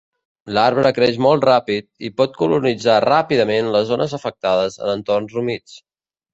L'arbre creix molt ràpid i pot colonitzar ràpidament les zones afectades en entorns humits.